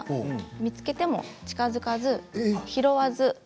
見つけても近づかず拾わず。